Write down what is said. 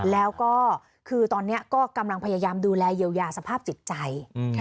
แล้วก็คือตอนนี้ก็กำลังพยายามดูแลเยียวยาสภาพจิตใจ